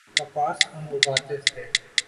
کپاس ہم اگاتے تھے۔